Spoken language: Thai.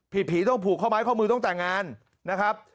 ผีต้องผูกข้อไม้ข้อมือต้องแต่งงานนะครับ